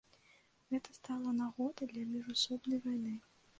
Гэта стала нагодай для міжусобнай вайны.